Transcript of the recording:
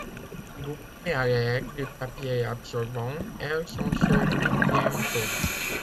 Égouttées à l’aide du papier absorbant, elles sont servies bien chaudes.